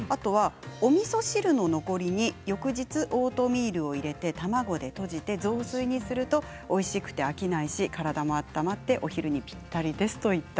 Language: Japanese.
おみそ汁の残りに翌日オートミールを入れて卵でとじて雑炊にするとおいしくて飽きないし体も温まってお昼にぴったりです。